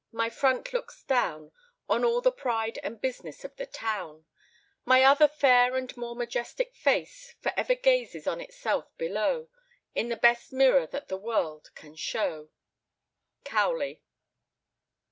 My front looks down On all the pride and business of the town; My other fair and more majestic face For ever gazes on itself below, In the best mirror that the world can show." COWLEY.